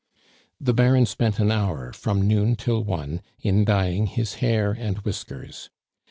The Baron spent an hour, from noon till one, in dyeing his hair and whiskers.